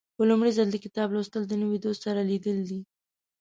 په لومړي ځل د کتاب لوستل د نوي دوست سره لیدل دي.